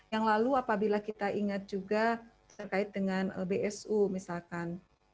yang lalu apabila kita ingat juga terkait dengan bsu misalkan